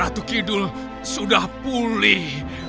ratu kidul sudah pulih